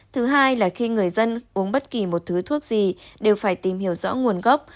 thứ hai là khi người dân uống bất kỳ một thứ thuốc gì đều phải tìm hiểu rõ nguồn gốc